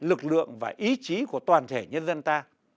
lực lượng và ý chí của toàn thể nhân dân ta